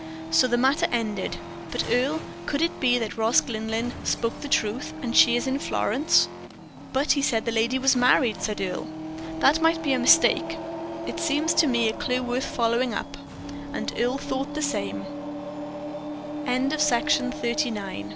"So the matter ended. But, Earle, could it be that Ross Glynlyn spoke the truth that she is in Florence?" "But he said that lady was married," said Earle. "That might be a mistake. It seems to me a clew worth following up." And Earle thought the same. CHAPTER XLI.